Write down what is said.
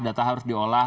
data harus diolah